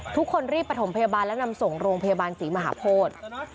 ทุกคนรีบประถมพยาบาลและนำส่งโรงพยาบาลศรีมหาโพธิ